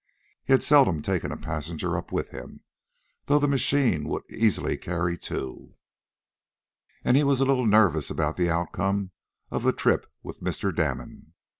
He had seldom taken a passenger up with him, though the machine would easily carry two, and he was a little nervous about the outcome of the trip with Mr. Damon.